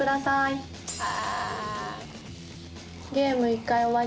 ああ。